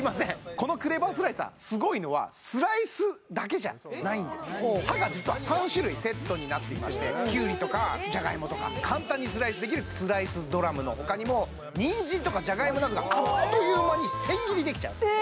このクレバースライサーすごいのはほう刃が実は３種類セットになっていましてきゅうりとかじゃがいもとか簡単にスライスできるスライスドラムの他にもにんじんとかじゃがいもなんかがあっという間に千切りできちゃうええ